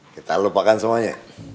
kita lupakan semuanya